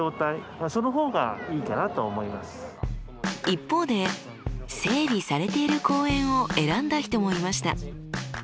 一方で整備されている公園を選んだ人もいました。